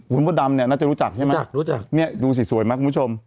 มดดำเนี่ยน่าจะรู้จักใช่ไหมรู้จักรู้จักเนี่ยดูสิสวยไหมคุณผู้ชม